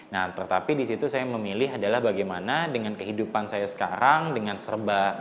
nah tetapi disitu saya memilih adalah bagaimana dengan kehidupan saya sekarang dengan serba